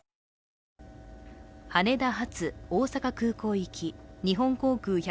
羽田発大阪空港行き日本航空１２３